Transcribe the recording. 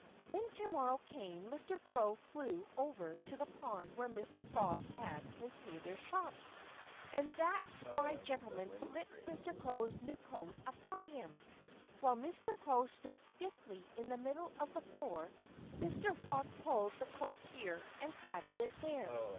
When to morrow came, Mr. Crow flew over to the pond where Mr. Frog had his tailor's shop. And that spry gentleman slipped Mr. Crow's new coat upon him. While Mr. Crow stood stiffly in the middle of the floor Mr. Frog pulled the coat here and patted it there.